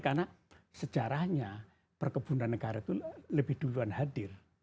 karena sejarahnya perkebunan negara itu lebih duluan hadir